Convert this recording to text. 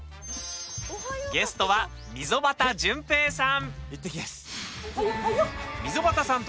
ゲストは溝端淳平さん。